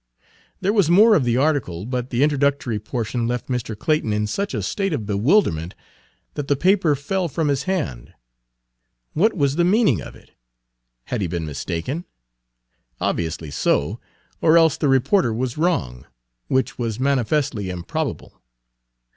There was more of the article, but the introductory portion left Mr. Clayton in such a state of bewilderment that the paper fell from his hand. What was the meaning of it? Had he been mistaken? Obviously so, or else the reporter was wrong, which was manifestly improbable.